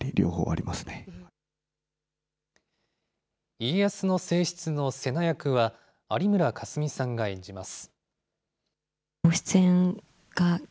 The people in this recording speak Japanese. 家康の正室の瀬名役は有村架純さんが演じます。